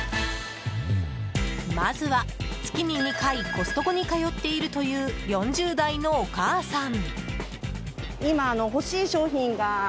まずは、月に２回コストコに通っているという４０代のお母さん。